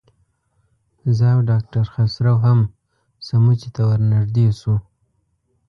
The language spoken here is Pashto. زه او ډاکټر خسرو هم سموڅې ته ورنږدې شو.